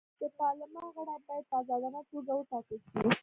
د پارلمان غړي باید په ازادانه توګه وټاکل شي.